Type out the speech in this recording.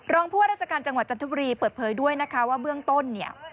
รองพวกราชการจังหวัดจันทบุรีเปิดเผยด้วยว่าเบื้องต้น